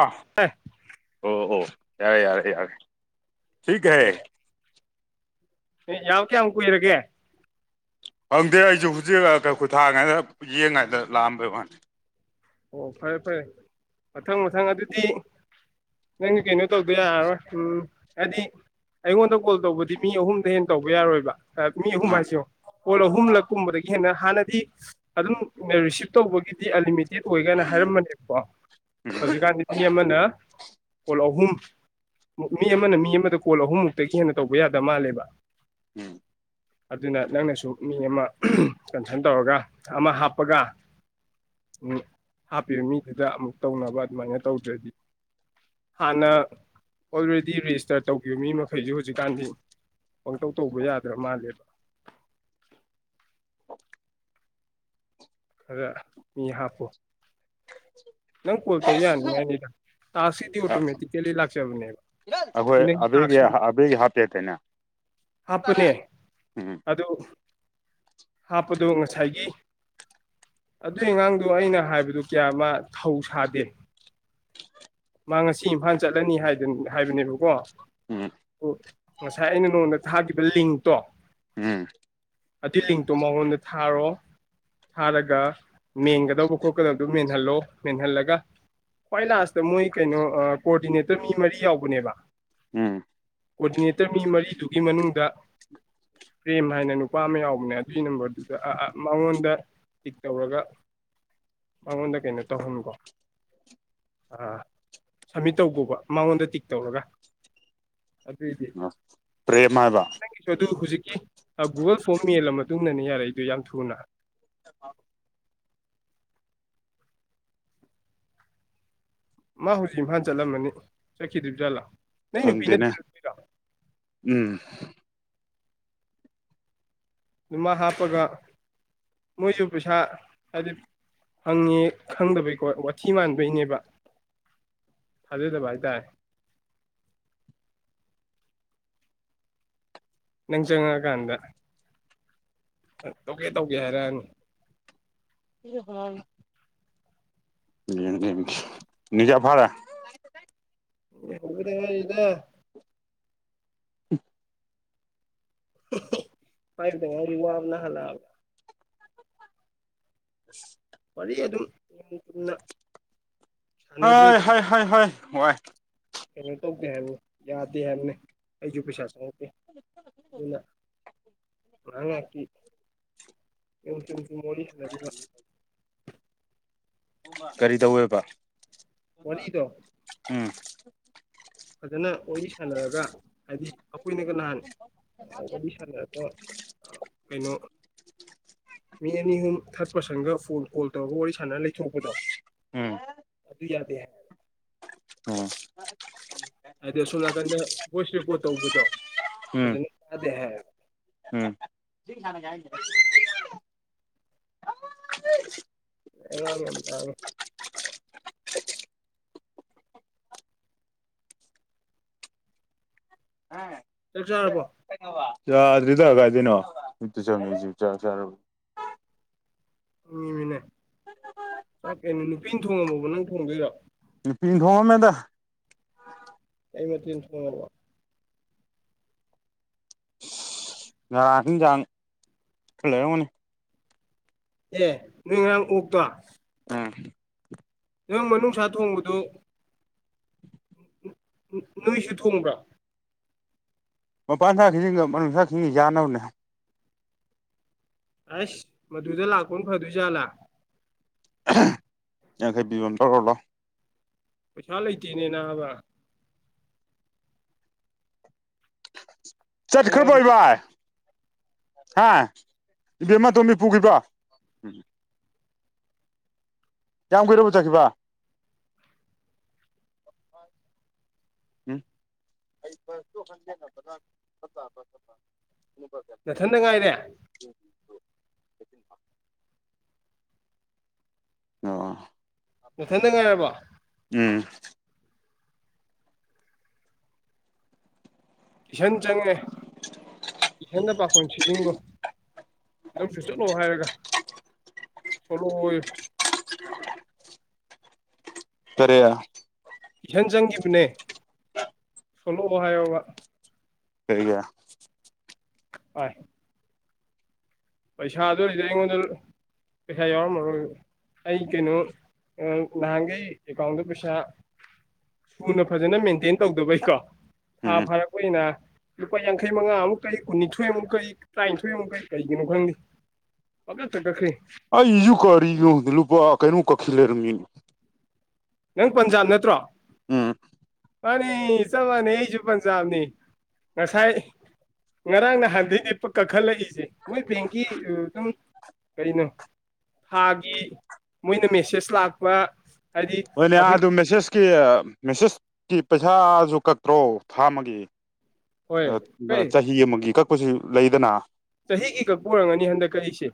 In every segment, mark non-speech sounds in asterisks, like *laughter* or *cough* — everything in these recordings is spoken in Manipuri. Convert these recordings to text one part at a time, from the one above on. ꯑꯥ ꯑꯣ ꯑꯣ ꯌꯥꯔꯦ ꯌꯥꯔꯦ ꯌꯥꯔꯦ ꯊꯤꯀꯦ ꯑꯦ ꯌꯥꯎ ꯀꯌꯥꯝ ꯀꯨꯏꯔꯒꯦ ꯈꯪꯗꯦ ꯑꯩꯁꯨ ꯍꯧꯖꯤꯛ ꯀꯈꯣꯏ ꯊꯥꯉꯥꯏꯗ ꯌꯦꯡꯉꯗ ꯂꯥꯛꯑꯝꯕꯩ ꯃꯥꯅꯤ ꯑꯣ ꯐꯔꯦ ꯐꯔꯦ ꯃꯊꯪ ꯃꯊꯪ ꯑꯗꯨꯗꯤ ꯅꯪ ꯀꯩꯅꯣ ꯇꯧꯗ ꯌꯥꯔꯣꯏ ꯎꯝ ꯍꯥꯏꯗꯤ ꯑꯩꯉꯣꯟꯗ ꯀꯣꯜ ꯇꯧꯕꯗꯤ ꯃꯤ ꯑꯍꯨꯝꯗ ꯍꯦꯟꯅ ꯇꯧꯕ ꯌꯥꯔꯣꯏꯕ ꯃꯤ ꯑꯍꯨꯝ ꯑꯥ ꯍꯥꯏꯁꯦ ꯀꯣꯜ ꯑꯍꯨꯝꯂꯛꯀꯨꯝꯕꯗꯒꯤ ꯍꯦꯟꯅ ꯍꯥꯟꯅꯗꯤ ꯑꯗꯨꯝ ꯔꯤꯁꯤꯞ ꯇꯧꯕꯒꯤꯗꯤ ꯑꯂꯤꯃꯤꯠ ꯇꯦꯠ ꯑꯣꯏꯒꯥꯏꯅ ꯍꯥꯏꯔꯝꯕꯅꯦꯕꯀꯣ ꯍꯧꯖꯤꯛꯀꯥꯟꯗꯤ ꯃꯤ ꯑꯃꯅ ꯀꯣꯜ ꯑꯍꯨꯝ ꯃꯤ ꯑꯃꯅ ꯃꯤ ꯑꯃꯗ ꯀꯣꯜ ꯑꯍꯨꯝꯃꯨꯛꯇꯒꯤ ꯍꯦꯟꯅ ꯇꯧꯕ ꯌꯥꯗꯕ ꯃꯥꯜꯂꯦꯕ ꯎꯝ ꯑꯗꯨꯅ ꯅꯪꯅꯁꯨ ꯃꯤ ꯑꯃ ꯀꯟꯁꯔꯟ ꯇꯧꯔꯒ ꯑꯃ ꯍꯥꯞꯄꯒ *unintelligible* ꯎꯝ ꯍꯥꯞꯄꯤꯕ ꯃꯤꯗꯨꯗ ꯑꯃꯨꯛ ꯇꯧꯅꯕ ꯑꯗꯨꯃꯥꯏꯅ ꯇꯧꯗ꯭ꯔꯗꯤ ꯍꯥꯟꯅ ꯑꯣꯜꯔꯦꯗꯤ ꯔꯦꯖꯤꯁꯇꯔ ꯇꯧꯈꯤꯕ ꯃꯤ ꯃꯈꯩꯁꯨ ꯍꯧꯖꯤꯛꯀꯥꯟꯗꯤ ꯄꯪꯇꯧ ꯇꯧꯕ ꯌꯥꯗ꯭ꯔꯥ ꯃꯥꯜꯂꯦꯕ *unintelligible* ꯈꯔ ꯃꯤ ꯍꯥꯞꯄꯨ ꯅꯪ ꯀꯣꯜ ꯇꯧ ꯌꯥꯅꯤꯉꯥꯏꯅꯤꯗꯥ ꯁꯤꯗꯤ ꯑꯣꯇꯣꯃꯦꯇꯤꯀꯦꯜꯂꯤ ꯂꯥꯛꯆꯕꯅꯦꯕ ꯁꯤ ꯑꯩꯈꯣꯏ ꯅꯪꯒꯤ ꯑꯕꯦꯒꯤ ꯇꯥꯛꯁ ꯑꯕꯦꯒꯤ ꯍꯥꯞꯄꯦꯇꯅꯦ ꯍꯥꯞꯄꯅꯦ ꯑꯗꯨ ꯍꯥꯞꯄꯗꯣ ꯉꯁꯥꯏꯒꯤ ꯑꯗꯨꯏ ꯑꯉꯥꯡꯗꯣ ꯑꯩꯅ ꯍꯥꯏꯕꯗꯨ ꯀꯌꯥ ꯑꯃ ꯊꯧ ꯁꯥꯗꯦ ꯃꯥ ꯉꯁꯤ ꯏꯝꯐꯥꯜ ꯆꯠꯂꯅꯤꯗ ꯍꯥꯏꯕꯅꯦꯕꯀꯣ ꯎꯝ ꯉꯁꯥꯏ ꯑꯩꯅ ꯅꯉꯗ ꯊꯥꯈꯤꯕ ꯂꯤꯡꯇꯣ ꯎꯝ ꯑꯗꯨ ꯂꯤꯡꯇꯣ ꯃꯉꯣꯟꯗ ꯊꯥꯔꯣ ꯊꯥꯔꯒ ꯃꯦꯟꯒꯗꯧꯕ ꯈꯣꯠꯀꯗꯕꯗꯨꯣ ꯃꯦꯟꯍꯜꯂꯣ ꯃꯦꯟꯍꯜꯂꯒ ꯈ꯭ꯋꯥꯏ ꯂꯥꯁꯇ ꯃꯣꯏ ꯀꯩꯅꯣ ꯀꯣꯑꯣꯗꯤꯅꯦꯇꯔ ꯃꯤ ꯃꯔꯤ ꯌꯥꯎꯕꯅꯦꯕ ꯎꯝ ꯀꯣꯑꯣꯗꯤꯅꯦꯇꯔ ꯃꯤ ꯃꯔꯤꯗꯨꯒꯤ ꯃꯅꯨꯡꯗ ꯄ꯭ꯔꯦꯝ ꯍꯥꯏꯅ ꯅꯨꯄꯥ ꯑꯃ ꯌꯥꯎꯕꯅꯦ ꯑꯗꯨ ꯐꯔꯤ ꯅꯝꯕꯔꯗꯨꯗ ꯃꯉꯣꯟꯗ ꯄꯤꯛ ꯇꯧꯔꯒ ꯃꯉꯣꯟꯗ ꯀꯩꯅꯣ ꯇꯧꯍꯟꯀꯣ ꯑꯥ ꯁꯃꯤꯠ ꯇꯧꯕꯕ ꯃꯉꯣꯟꯗ ꯇꯤꯛ ꯇꯧꯔꯒ ꯑꯗꯨꯏꯗꯤ ꯄ꯭ꯔꯦꯝ ꯍꯥꯏꯕ ꯑꯗꯨꯗꯤ ꯅꯪꯒꯤꯁꯨ ꯑꯗꯨ ꯍꯧꯖꯤꯛꯀꯤ ꯒꯨꯒꯜ ꯐꯣꯝ ꯃꯜꯂꯝꯃ ꯇꯨꯡꯅꯅꯦꯅꯤꯔꯗ ꯌꯥꯝꯝꯊꯨꯑꯅꯥ ꯃꯥ ꯍꯧꯖꯤꯛ ꯏꯝꯐꯥꯟ ꯆꯠꯂꯝꯃꯅꯤ ꯆꯠꯈꯤꯗ꯭ꯔꯤꯕ ꯠꯂꯥ ꯈꯪꯗꯦꯅꯦ ꯎꯝ ꯑꯗꯨꯃ ꯍꯥꯞꯄꯒ ꯃꯣꯏꯁꯨ ꯄꯩꯁꯥ ꯍꯥꯏꯗꯤ ꯍꯪꯉꯦ ꯈꯪꯗꯕꯩꯀꯣ ꯋꯥꯊꯤ ꯃꯥꯟꯕꯩꯅꯦꯕ ꯐꯗꯗ ꯥꯏ ꯇꯥꯏ *unintelligible* ꯅꯪ ꯆꯉ ꯀꯗ ꯇꯧꯒꯦ ꯇꯧꯒꯦ ꯍꯥꯏꯔꯛꯅꯤ ꯏ ꯍ ꯖꯚꯥꯔꯥ ꯍ꯭ꯔꯦ ꯏꯗ ꯎ ꯐ ꯇꯉ ꯋꯥꯕꯅ ꯍꯥꯂ *unintelligible* ꯋꯥꯔꯤ ꯑꯗꯨꯝ ꯆꯨꯝꯅ ꯍꯣꯏ ꯍꯣꯏ ꯁꯥꯟꯅꯗ꯭ꯔꯗꯤꯀꯣ ꯍꯣꯏ ꯍꯣꯏ ꯍꯥꯏ ꯀꯩꯅꯣ ꯇꯧꯗꯦ ꯍꯥꯏꯕ ꯌꯥꯗꯦ ꯍꯥꯏꯕꯅꯦ ꯑꯩꯁꯨ ꯄꯩꯁꯥ ꯆꯪꯉ ꯅ ꯃꯥꯥꯡꯉꯦ ꯀ ꯀ ꯇ ꯃꯣꯂ ꯀꯔꯤ ꯇꯧꯋꯦꯕ ꯋꯥꯔꯤꯗꯣ ꯎꯝ ꯐꯖꯅ ꯋꯥꯔꯤ ꯁꯥꯟꯅꯔꯒ ꯍꯥꯏꯗꯤ ꯑꯩꯈꯣꯏꯅꯒ ꯅꯍꯥꯟ ꯋꯥꯔꯤ ꯁꯥꯟꯅꯔꯒ ꯀꯩꯅꯣ ꯃꯤ ꯑꯅꯤ ꯑꯍꯨꯝ ꯊꯥꯔꯠ ꯄꯥꯔꯁꯟꯒ ꯐꯣꯟ ꯀꯣꯜ ꯇꯧꯔꯒ ꯋꯥꯔꯤ ꯁꯥꯟꯅꯅ ꯂꯩꯊꯣꯛꯄꯗꯣ ꯎꯝ ꯑꯗꯨ ꯑꯗꯨ ꯌꯥꯗꯦ ꯑꯣ ꯍꯥꯏꯗꯤ ꯑꯁꯣꯝ ꯅꯥꯀꯟꯗ ꯚꯣꯏꯁ ꯔꯦꯀꯣꯔꯠ ꯇꯧꯕꯗꯣ ꯎꯝ ꯐꯖꯅ ꯇꯥꯗꯦ ꯍꯥꯏꯕ ꯎꯝ *unintelligible* ꯑꯉ ꯆꯥꯛ ꯆꯥꯔꯕꯣ ꯌꯥꯗ꯭ꯔꯤꯗ ꯀꯥꯏꯗꯣꯏꯅꯣ ꯃꯤꯃꯤꯠꯇ ꯆꯪꯉꯛꯏꯁꯤꯔ ꯏꯃꯤꯅꯦ ꯆꯥꯛꯀꯦꯅꯦ ꯅꯨꯄꯤꯅ ꯊꯣꯡꯉꯝꯃꯣꯕ ꯅꯪ ꯊꯣꯡꯗꯣꯏꯔꯣ ꯅꯨ ꯄꯤꯡ ꯊꯣꯡꯉꯃꯦꯗ ꯑꯩꯃꯁꯨꯣ ꯌꯥ ꯍꯅꯤ ꯊꯂꯦ ꯍꯅꯦ ꯑꯦ ꯅꯣꯏ ꯉꯔꯥꯡ ꯑꯣꯛꯇꯣ ꯑ ꯅꯪ ꯃꯅꯨꯡꯁꯥ ꯊꯣꯡꯕꯗꯣ ꯅꯩꯁꯨ ꯊꯣꯡꯕ꯭ꯔꯥ ꯃꯄꯥꯟ ꯊꯥꯛ ꯈꯤꯁꯤꯡꯒ ꯃꯅꯨꯡꯊꯥ ꯁꯤꯡꯒ ꯌꯥꯅꯕꯅꯦ ꯑꯁ ꯃꯗꯨꯗ ꯂꯥꯛꯄꯅ ꯐꯗꯣꯏꯖꯥꯠꯂꯥ ꯌꯥꯈꯩꯕꯤꯃꯟꯗ ꯑꯣꯏꯔꯂꯣ ꯄꯩꯁꯥ ꯂꯩꯇꯦꯅꯦ ꯅꯅꯥꯕ ꯆꯠ ꯑꯩ ꯈꯔꯕ ꯉꯔꯥꯡ ꯑꯣꯏꯕ ꯍꯥ ꯏꯕꯦꯝꯃ ꯇꯣꯝꯕꯤ ꯄꯨꯈꯤꯕ ꯎ ꯀꯝ ꯀꯔꯔꯕ ꯆꯥ ꯀꯈꯤꯕ *unintelligible* ꯅꯊꯟꯗ ꯉꯥꯏꯔꯦ ꯑ ꯃꯊꯟꯗ ꯉꯥꯏꯔꯕ ꯎꯝ ꯀꯁꯟ ꯆꯪꯉꯦ ꯏ ꯍꯦꯟꯅ ꯄꯥꯈꯣꯟ ꯁꯤꯖꯤꯤꯡꯕꯣ ꯁꯤꯗꯁꯨ ꯆꯠꯂꯣ ꯍꯥꯏꯔꯒ ꯆꯂꯨ ꯍꯣꯏ *unintelligible* ꯇꯔꯦꯌꯥ ꯏꯆꯟ ꯆꯪꯈꯤꯕꯅꯦ ꯁꯣꯂꯛꯑꯣ ꯍꯥꯏꯌꯣꯕ ꯁꯤꯒ ꯑ ꯄꯩꯁꯥ ꯑꯗꯨꯣꯔꯗꯤ ꯑꯩꯉꯣꯟꯗ ꯄꯩꯁꯥ ꯌꯥꯎꯔꯝꯃꯔꯣꯏ ꯑꯩ ꯀꯩꯅꯣ ꯅꯍꯥꯟꯈꯩ ꯑꯦꯀꯥꯎꯟꯗ ꯄꯩꯁꯥ ꯁꯨꯅ ꯐꯖꯅ ꯃꯦꯟꯇꯦꯟ ꯇꯧꯗꯕꯩꯀꯣ ꯊꯥ ꯎꯝ ꯐꯥꯔꯛꯄꯅꯤꯅ ꯂꯨꯄꯥ ꯌꯥꯡꯈꯩ ꯃꯉꯥꯃꯨꯛ ꯀꯩ ꯀꯨꯟꯅꯤꯊꯣꯏꯃꯨꯛ ꯀꯩ ꯇꯔꯥꯅꯤꯊꯣꯏꯃꯨꯛ ꯀꯩ ꯀꯔꯤ ꯀꯩꯅꯣ ꯈꯪꯦ ꯐꯒꯠ ꯆ ꯀꯠꯈ꯭ꯔꯤ ꯑꯩꯁꯨ ꯀꯔꯤꯅꯣ ꯈꯪꯗꯦ ꯂꯨꯄꯥ ꯀꯩꯅꯣ ꯀꯛꯁꯤ ꯂꯩꯔꯝꯃꯤꯅꯤ ꯅꯪ ꯄꯟꯖꯥꯕ ꯅꯠꯇ꯭ꯔꯣ ꯎꯝ ꯃꯥꯅꯤ ꯆꯞ ꯃꯥꯟꯅꯤ ꯑꯩꯁꯨ ꯄꯟꯖꯥꯕꯅꯤ ꯉꯁꯥꯏ ꯉꯔꯥꯡ ꯅꯍꯥꯟꯊꯩ ꯂꯄ ꯀꯥꯈꯠꯂꯛꯏꯁꯦ ꯃꯣꯏ ꯕꯦꯡꯒꯤ ꯑꯗꯨꯝ ꯀꯔꯤꯅꯣ ꯊꯥꯒꯤ ꯃꯣꯏꯅ ꯃꯦꯁꯦꯁ ꯂꯥꯛꯄ ꯍꯥꯏꯗꯤ ꯍꯣꯏꯅꯦ ꯑꯥ ꯑꯩꯈꯣꯏꯅ ꯑꯗꯨ ꯃꯦꯁꯦꯁꯀꯤ ꯃꯦꯁꯦꯁꯀꯤ ꯄꯩꯁꯥꯁꯨ ꯀꯛꯇ꯭ꯔꯣ ꯊꯥ ꯑꯃꯒꯤ ꯍꯣꯏ ꯀꯩ ꯆꯍꯤ ꯑꯃꯒꯤ ꯀꯛ ꯄꯄꯁꯤ ꯂꯩꯗꯅ ꯆꯍꯤꯒꯤ ꯀꯛꯄꯔꯝꯒꯅꯤ ꯍꯟꯗꯛ ꯑꯩꯁꯦ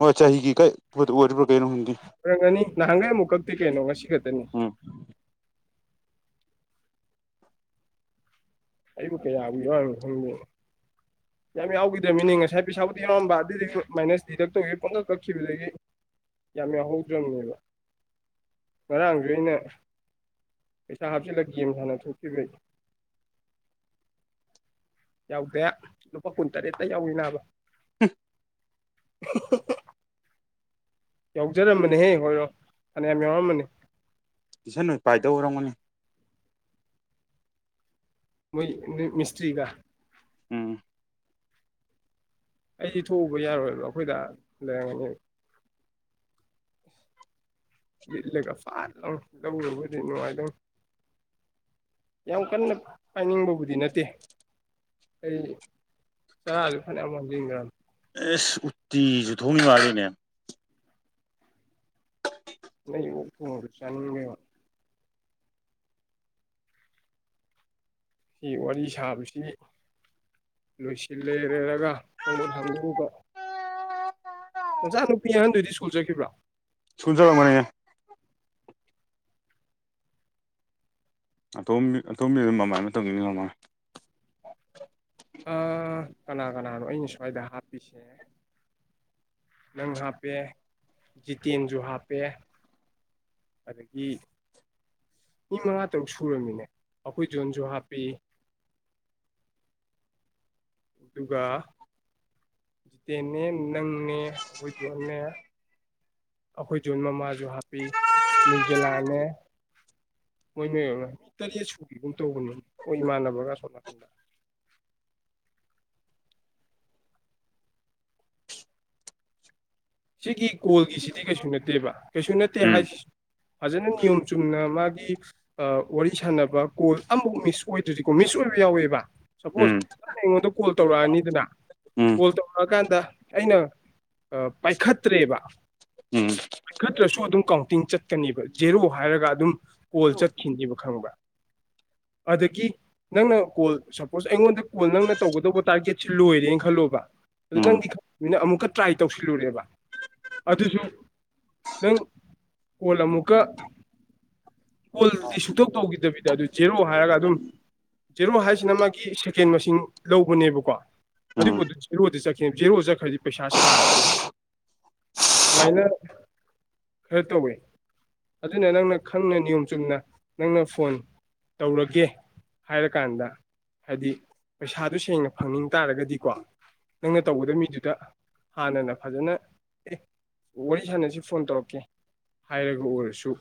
ꯍꯣꯏ ꯆꯍꯤꯒꯤ ꯀꯛ ꯑꯣꯏꯔꯤꯕ꯭ꯔꯥ ꯀꯩꯅꯣ ꯈꯪꯗꯦ ꯪ ꯉꯅꯤ ꯅꯍꯥꯟꯒꯩ ꯑꯃꯨꯛ ꯈꯛꯇꯤ ꯀꯩꯅꯣ ꯉꯁꯤ ꯈꯛꯇꯅꯤ ꯎꯝ ꯑꯩꯕꯨ ꯀꯌꯥꯅ ꯈꯪꯗꯦ ꯌꯥꯝ ꯌꯥꯎꯈꯤꯗ꯭ꯔꯕꯃꯤꯅꯤ ꯉꯁꯥꯏ ꯄꯩꯁꯥꯕꯨꯗꯤ ꯌꯥꯎꯔꯝꯕ ꯑꯗꯨꯏꯗꯒꯤ ꯃꯥꯏꯅꯁ ꯗꯤꯗꯛ ꯇꯧꯈꯤꯕ ꯄꯗ ꯀꯛꯈꯤꯕꯗꯒꯤ ꯌꯥꯝ ꯌꯥꯎꯍꯧꯗ꯭ꯔꯕꯅꯦꯕ ꯉꯔꯥꯡꯁꯨ ꯑꯩꯅ ꯄꯩꯁꯥ ꯍꯥꯞꯆꯜꯂꯛꯒꯦꯝ ꯍꯅ ꯊꯣꯛꯆꯕ꯭ꯔꯩ *unintelligible* ꯌꯥꯎꯗꯦ ꯂꯨꯄꯥ ꯀꯨꯟꯇꯔꯦꯠꯇ ꯌꯥꯎꯏꯤ ꯕ ꯎꯝ *unintelligible* ꯌꯥꯎꯖꯔꯃꯅꯦꯍꯦ ꯍꯣꯏꯔꯣ ꯐꯅꯌꯥꯝ ꯌꯥꯎꯔꯝꯃꯅꯤ ꯇꯨꯏꯁꯟꯣꯏ ꯄꯥꯏꯗ ꯎꯔꯝꯒꯅꯤ ꯃꯣꯏ ꯃꯤꯁꯇꯔꯤ ꯀ ꯎꯝ ꯑꯩꯗꯤ ꯊꯣꯛꯎꯕ ꯌꯥꯔꯣꯏꯕ ꯑꯩꯈꯣꯏꯗ ꯂꯩꯔꯝꯒꯅꯤ ꯂꯤꯠꯂꯒ ꯐꯥꯠ ꯂꯣ ꯂꯧꯅꯕꯕꯗꯤ ꯅꯨꯡꯉꯥꯏꯗꯧ ꯌꯥꯝ ꯀꯟꯅ ꯄꯥꯏꯅꯤꯡꯕꯕꯨꯗꯤ ꯅꯠꯇꯦ ꯑꯩ ꯆꯔꯁꯨ ꯐꯅꯌꯥꯝ ꯃꯥꯟꯁꯤꯟꯈ꯭ꯔꯅꯤ ꯑꯦꯁ ꯎꯇꯤꯁꯨꯨ ꯊꯣꯡꯃꯤ ꯃꯥꯜꯂꯤꯅꯦ ꯅꯁ ꯁꯤ ꯋꯥꯔꯤ ꯁꯥꯕꯁꯤ ꯂꯣꯏꯁꯤꯜꯂꯦꯔꯦꯔꯒ ꯈꯣꯡꯃꯨꯠ ꯍꯥꯡꯗꯨꯕ ꯉꯆꯥ ꯅꯨꯄꯤ ꯑꯍꯟꯗꯨꯣꯏꯗꯤ ꯁ꯭ꯀꯨꯜ ꯆꯠꯈꯤꯕ꯭ꯔꯥ ꯁꯨꯟ ꯆꯂꯣ ꯃꯅꯤ ꯣ ꯑꯇꯣꯝꯕꯤꯗꯝ ꯃꯃꯥꯏ ꯑꯃ ꯇꯧꯅꯤꯡꯅꯤ ꯃꯃꯜ ꯑ ꯀꯅꯥ ꯀꯅꯥꯅꯣ ꯑꯩꯅ ꯁ꯭ꯋꯥꯏꯗ ꯍꯥꯞꯄꯤꯁꯦ ꯅꯪ ꯍꯥꯞꯄꯦ ꯖꯤꯇꯦꯟꯁꯨ ꯍꯥꯞꯄꯦ ꯑꯗꯨꯗꯒꯤ ꯃꯤ ꯃꯉꯥ ꯇꯔꯨꯛ ꯁꯨꯨꯔꯃꯤꯅꯦ ꯑꯩꯈꯣꯏ ꯖꯣꯟꯁꯨ ꯍꯥꯞꯄꯤ *unintelligible* ꯑꯗꯨꯒ ꯖꯤꯇꯦꯅꯦ ꯅꯪꯅꯦ ꯑꯩꯈꯣꯏ ꯌꯣꯅꯦ ꯑꯩꯈꯣꯏꯁꯨ ꯃꯃꯥꯁꯨ ꯍꯥꯞꯄꯤ ꯅ꯭ꯌꯨ ꯖꯤꯂꯥꯟꯟꯅꯦ ꯃꯣꯏ ꯅꯣꯏ ꯃꯤ ꯇꯔꯦꯠ ꯁꯨꯕꯤꯒꯨꯝ ꯇꯧꯕꯅꯤ ꯍꯣꯏ ꯏꯃꯥꯟꯅꯕꯒ ꯁꯣꯝ ꯅꯥꯀꯟꯗ *unintelligible* ꯁꯤꯒꯤ ꯀꯣꯜꯒꯤꯁꯤꯗꯤ ꯀꯩꯁꯨ ꯅꯠꯇꯦꯕ ꯀꯩꯁꯨ ꯅꯠꯇꯦ ꯎꯝ ꯍꯥꯏꯁꯤ ꯐꯖꯅ ꯅꯤꯌꯣꯝ ꯆꯨꯝꯅ ꯃꯥꯒꯤ ꯋꯥꯔꯤ ꯁꯥꯟꯅꯕ ꯀꯣꯜ ꯑꯃꯐꯥꯎ ꯃꯤꯁ ꯑꯣꯏꯗ꯭ꯗꯤꯀꯣ ꯃꯤꯁ ꯑꯣꯏ ꯌꯥꯎꯋꯦꯕ ꯎꯝ ꯁꯄꯣꯉꯣꯟꯗ ꯀꯣꯜ ꯇꯧꯔꯛꯑꯅꯤꯗꯅ ꯎꯝ ꯀꯣꯜ ꯇꯧꯔꯛꯑꯀꯥꯟꯗ ꯑꯩꯅ ꯄꯥꯏꯈꯠꯇ꯭ꯔꯦꯕ ꯎꯝ ꯈꯠꯇ꯭ꯔꯁꯨ ꯑꯗꯨꯝ ꯀꯥꯎꯟꯇꯤꯡ ꯆꯠꯀꯅꯦꯕ ꯖꯦꯔꯣ ꯍꯥꯏꯔꯒ ꯑꯗꯨꯝ ꯀꯣꯜ ꯆꯠꯈꯤꯅꯦꯕ ꯈꯪꯕ꯭ꯔ *unintelligible* ꯑꯗꯒꯤ ꯅꯪꯅ ꯀꯣꯜ ꯁꯄꯣꯁ ꯑꯩꯉꯣꯟꯗ ꯀꯣꯜ ꯅꯪꯅ ꯇꯧꯒꯗꯧꯕ ꯇꯥꯔꯒꯦꯠꯁꯤ ꯂꯣꯏꯔꯦꯅ ꯈꯜꯂꯣꯕ ꯑꯗꯨ ꯎꯝ ꯅꯪꯗꯤ ꯈꯪꯕꯅꯤꯅ ꯑꯃꯨꯛꯀ ꯇ꯭ꯔꯥꯏ ꯇꯧꯁꯤꯜꯂꯨꯔꯦꯕ ꯑꯗꯨꯁꯨ ꯅꯪ ꯑꯣꯂꯃꯨꯀ ꯀꯣꯜꯗꯤ ꯁꯨꯛꯇꯧ ꯇꯧꯈꯤꯗꯕꯤꯗ ꯑꯗꯨ ꯖꯦꯔꯛꯣ ꯍꯥꯏꯔꯒ ꯑꯗꯨꯝ ꯖꯦꯔꯣ ꯍꯥꯏꯁꯤꯅ ꯃꯥꯒꯤ ꯁꯦꯀꯦꯟ ꯃꯁꯤꯡ ꯂꯧꯕꯅꯦꯕꯀꯣ ꯑꯗꯨ ꯎꯝ ꯄꯠꯇꯗꯤ ꯖꯦꯔꯣꯗꯤ ꯆꯠꯈꯤ ꯖꯦꯔꯣ ꯆꯠꯈ꯭ꯔꯗꯤ ꯄꯩꯁꯥ ꯁꯥꯔꯣꯏꯕ ꯋꯥꯥꯏꯅ ꯈꯔ ꯇꯣ ꯃꯣꯏ ꯑꯗꯨꯅ ꯅꯪꯅ ꯈꯪꯅ ꯅꯤꯌꯣꯝ ꯆꯨꯝꯅ ꯅꯪꯅ ꯐꯣꯟ ꯇꯧꯔꯒꯦ ꯍꯥꯏꯔꯀꯥꯟꯗ ꯍꯥꯏꯗꯤ ꯄꯩꯁꯥꯗꯨ ꯁꯦꯡꯅ ꯐꯪꯅꯤꯡ ꯇꯥꯔꯒꯗꯤꯀꯣ ꯅꯪꯅ ꯇꯧꯕꯗ ꯃꯤꯗꯨꯗ ꯍꯥꯟꯅꯅ ꯐꯖꯅ ꯑꯦ ꯋꯥꯔꯤ ꯁꯥꯟꯅꯁꯤ ꯐꯣꯟ ꯇꯧꯔꯛꯀꯦ ꯍꯥꯏꯔꯒ ꯑꯣꯏꯔꯁꯨ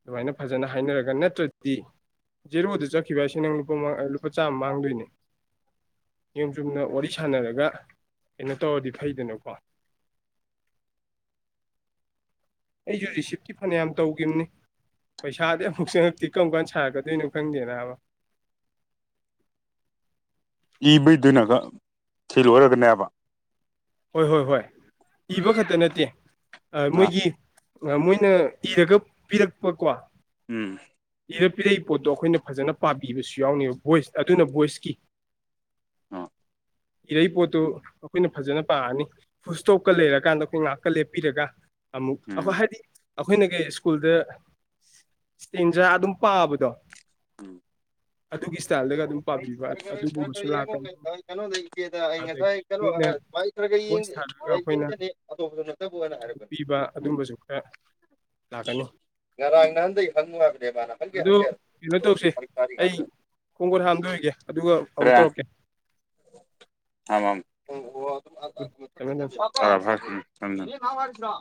ꯑꯗꯨꯃꯥꯏꯅ ꯐꯖꯅ ꯍꯥꯏꯅꯔꯒ ꯅꯠꯇ꯭ꯔꯗꯤ ꯖꯦꯔꯣꯗ ꯆꯠꯈꯤꯕ ꯍꯥꯏꯁꯤ ꯅꯪ ꯂꯨꯄꯥ ꯂꯨꯄꯥ ꯆꯥꯝꯃ ꯃꯥꯡꯗꯣꯏꯅꯦ ꯅꯤꯌꯣꯝ ꯆꯨꯝꯅ ꯋꯥꯔꯤ ꯁꯥꯟꯅꯔꯒ ꯀꯩꯅꯣ ꯇꯧꯔꯗꯤ ꯐꯩꯗꯅꯀꯣ ꯑꯩꯁꯨ ꯔꯤꯁꯤꯞꯇꯤ ꯐꯅꯌꯥꯝ ꯇꯧꯈꯤꯕꯅꯤ ꯄꯩꯁꯥꯗꯤ ꯑꯃꯨꯛ ꯆꯪꯉꯛꯇꯤ ꯀꯔꯝ ꯀꯥꯟ ꯁꯥꯔꯛꯀꯗꯣꯏꯅꯣ ꯈꯪꯗꯦꯅꯕ ꯏꯕꯩꯗꯨꯅꯒ ꯊꯤꯜꯂꯔꯒꯅꯦꯕ ꯍꯣꯏ ꯍꯣꯏ ꯍꯣꯏ ꯏꯕ ꯈꯛꯇ ꯅꯠꯇꯦ ꯑ ꯃꯣꯏꯒꯤ ꯃꯣꯏꯅ ꯏꯔꯒ ꯄꯤꯔꯛꯄꯀꯣ ꯎꯝ ꯄꯤꯔꯞꯄꯤꯤꯔꯛꯏ ꯄꯣꯠꯇꯣ ꯑꯩꯈꯣꯏꯅ ꯐꯖꯅ ꯄꯥꯕꯤꯕꯁꯨ ꯌꯥꯎꯅꯦꯕ ꯚꯣꯏꯁ ꯑꯗꯨꯅ ꯚꯣꯏꯁꯀꯤ ꯑꯥ ꯏꯔꯩ ꯄꯣꯠꯇꯨ ꯑꯩꯈꯣꯏꯅ ꯐꯖꯅ ꯄꯥꯛꯑꯅꯤ ꯐꯨꯁꯇꯣꯞꯀ ꯂꯩꯔꯀꯥꯟꯗ ꯑꯩꯈꯣꯏ ꯉꯥꯏꯍꯥꯛꯀ ꯂꯦꯞꯄꯤꯔꯒ ꯑꯃꯨꯛ ꯎꯝ ꯑꯩꯈꯣꯏ ꯍꯥꯏꯗꯤ ꯑꯩꯈꯣꯏꯅ ꯀ ꯁ꯭ꯀꯨꯜꯗ ꯏꯁꯇꯦꯟꯖ ꯑꯗꯨꯝ ꯄꯥꯕꯗꯣ ꯎꯝ ꯑꯗꯨꯒꯤ ꯏꯁꯇꯥꯏꯜꯗꯒ ꯑꯗꯨꯝ ꯄꯥꯕꯤꯕ ꯑꯗꯨꯒꯨꯝꯕꯁꯨ ꯂꯥꯛꯀꯅꯤꯨ ꯑꯗꯒꯤ ꯃꯣꯏꯅ ꯚꯣꯏꯁ ꯊꯥꯔꯛꯑꯒ ꯑꯩꯈꯣꯏꯅ ꯏꯤꯊꯣꯛꯄꯤꯕ ꯎꯝ ꯑꯗꯨꯝꯕꯁꯨ ꯈꯔ ꯂꯥꯛꯀꯅꯤ ꯉꯔ ꯅꯪꯗ ꯍꯪꯉ ꯍꯥꯏꯕꯗꯦꯕ ꯅ ꯍꯜꯦ ꯑꯗꯨ ꯍꯪꯦ ꯐꯔꯀꯔꯒꯗ ꯈꯣꯡꯀꯣꯠ ꯍꯗꯣꯔꯤꯒꯦ ꯑꯗꯨꯒ ꯑꯃꯨꯛ ꯇꯧꯔꯛꯀꯦ ꯊꯝꯃꯦ ꯊꯝꯃꯦ ꯑꯃꯝꯅꯤ ꯔ